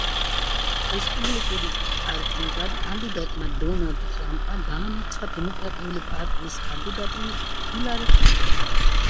რესპუბლიკური პარტიიდან კანდიდატმა დონალდ ტრამპმა დაამარცხა დემოკრატიული პარტიის კანდიდატი ჰილარი კლინტონი.